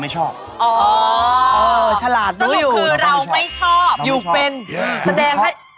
มันเป็นอะไร